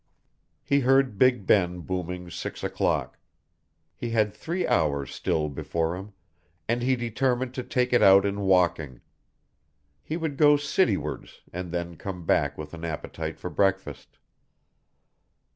He heard Big Ben booming six o'clock. He had three hours still before him, and he determined to take it out in walking. He would go citywards, and then come back with an appetite for breakfast.